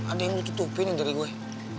ada yang ditutupin dari gue